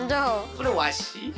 それわし？